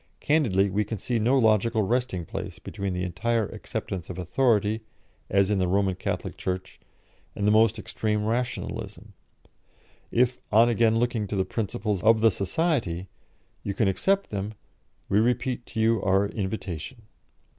Candidly, we can see no logical resting place between the entire acceptance of authority, as in the Roman Catholic Church, and the most extreme Rationalism. If, on again looking to the Principles of the Society, you can accept them, we repeat to you our invitation."